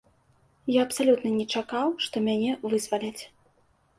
Я абсалютна не чакаў, што мяне вызваляць.